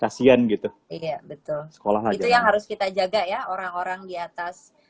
kasian gitu iya betul sekolah lah itu yang harus kita jaga ya orang orang di atas